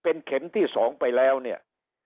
เป็นเข็มที่๒ไปแล้วเนี่ย